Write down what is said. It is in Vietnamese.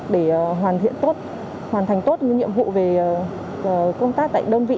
để hoàn thiện tốt hoàn thành tốt những nhiệm vụ về công tác tại đơn vị